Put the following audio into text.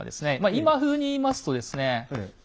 今風に言いますとですね。